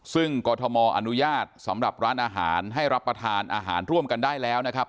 ซึ่งกรทมอนุญาตสำหรับร้านอาหารให้รับประทานอาหารร่วมกันได้แล้วนะครับ